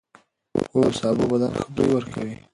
هو، سابه بدن ښه بوی ورکوي.